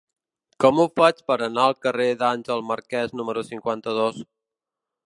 Com ho faig per anar al carrer d'Àngel Marquès número cinquanta-dos?